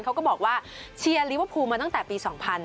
เขาก็บอกว่าเชียร์ลิเวอร์พูลมาตั้งแต่ปี๒๕๕๙